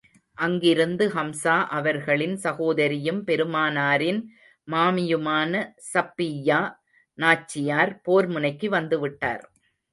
அங்கிருந்து ஹம்ஸா அவர்களின் சகோதரியும், பெருமானாரின் மாமியுமான ஸபிய்யா நாச்சியார் போர் முனைக்கு வந்து விட்டார்.